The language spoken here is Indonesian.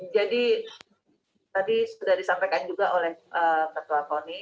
jadi tadi sudah disampaikan juga oleh ketua poni